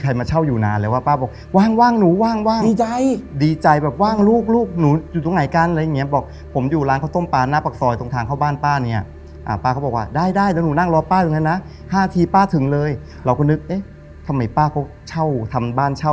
ใครมาเช่าอยู่นานแล้วว่า